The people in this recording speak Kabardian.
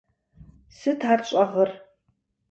Сыт ар щӏэгъыр?